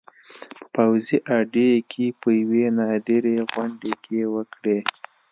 په پوځي اډې کې په یوې نادرې غونډې کې وکړې